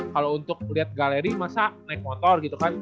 kalau untuk lihat galeri masa naik motor gitu kan